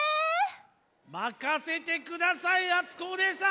まかせてくださいあつこおねえさん！